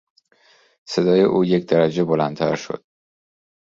صدای او یک درجه بلندتر شد.